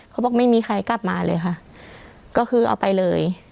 เขาบอกไม่มีใครกลับมาเลยค่ะก็คือเอาไปเลย